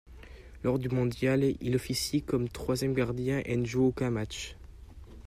Lors du mondial, il officie comme troisième gardien et ne joue aucun match.